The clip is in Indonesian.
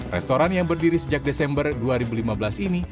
restoran yang berdiri sejak desember dua ribu lima belas ini